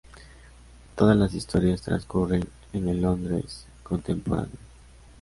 Todas las historias transcurren en el Londres contemporáneo.